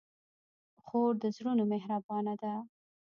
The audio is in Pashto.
خور د زړونو مهربانه ده.